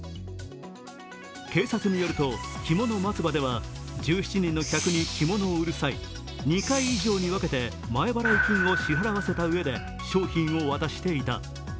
警察によると、きもの松葉では１７人の客に着物を売る際、２回以上に分けて前払い金を支払わせたうえで商品を渡していた。